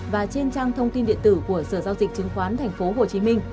và trên trang thông tin điện tử của sở giao dịch chứng khoán tp hcm